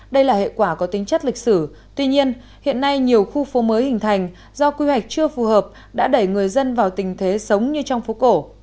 đây là hệ quả có tính chất lịch sử tuy nhiên hiện nay nhiều khu phố mới hình thành do quy hoạch chưa phù hợp đã đẩy người dân vào tình thế sống như trong phố cổ